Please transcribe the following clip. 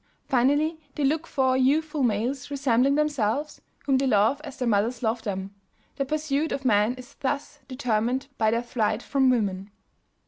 Finally they look for youthful males resembling themselves, whom they love as their mothers loved them. Their pursuit of men is thus determined by their flight from women.